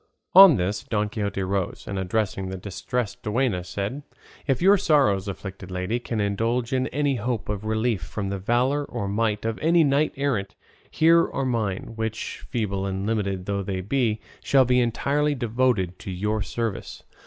On this Don Quixote rose, and addressing the Distressed Duenna, said, "If your sorrows, afflicted lady, can indulge in any hope of relief from the valour or might of any knight errant, here are mine, which, feeble and limited though they be, shall be entirely devoted to your service.